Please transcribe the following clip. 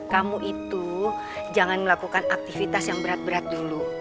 kamu itu jangan melakukan aktivitas yang berat berat dulu